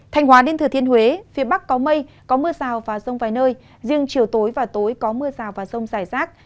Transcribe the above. thanh hóa đến thừa thiên huế phía bắc có mây có mưa rào và rông vài nơi riêng chiều tối và tối có mưa rào và rông rải rác